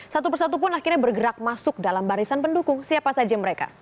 satu persatu pun akhirnya bergerak masuk dalam barisan pendukung siapa saja mereka